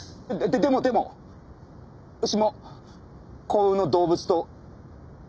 でもでも牛も幸運の動物と。